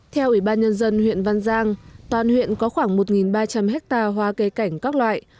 theo ủy ban nhân dân huyện văn giang toàn huyện có khoảng một ba trăm linh hectare hoa cây cảnh các loại